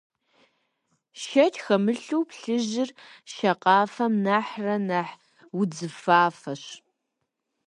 Шэч хэмылъу, плъыжьыр шакъафэм нэхърэ нэхъ удзыфафэщ.